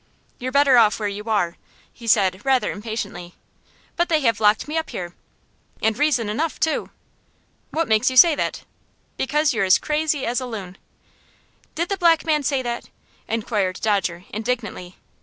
"You're better off where you are," he said, rather impatiently. "But they have locked me up here." "And reason enough, too!" "What makes you say that?" "Because you're crazy as a loon." "Did the black man say that?" inquired Dodger, indignantly.